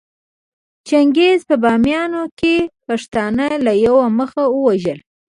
چنګېز په باميان کې پښتانه له يوه مخه ووژل